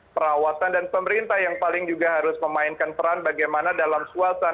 perawatan dan pemerintah yang paling juga harus memainkan peran bagaimana dalam suasana